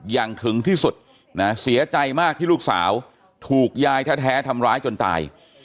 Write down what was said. อย่างถึงที่สุดนะเสียใจมากที่ลูกสาวถูกยายแท้ทำร้ายจนตาย